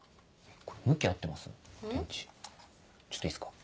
ちょっといいっすか？